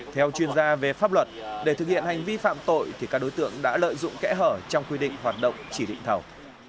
theo chuyên gia về pháp luật để thực hiện hành vi phạm tội thì các đối tượng đã lợi dụng kẽ hở trong quy định hoạt động chỉ định thầu